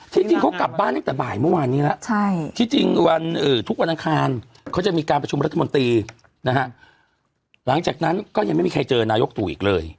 จริงเขากลับบ้านตั้งแต่บ่ายเมื่อวานนี้แล้วที่จริงวันทุกวันอังคารเขาจะมีการประชุมรัฐมนตรีนะฮะหลังจากนั้นก็ยังไม่มีใครเจอนายกตู่อีกเลย